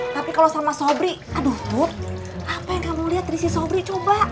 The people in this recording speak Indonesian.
tapi kalau sama sobri aduh tuttt apa yang kamu liat dari si sobri coba